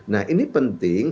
nah ini penting